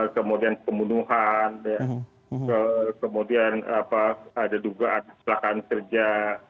kemudian pembunuhan kemudian ada dugaan kecelakaan kerja